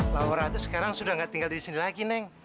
laura tuh sekarang sudah nggak tinggal di sini lagi neng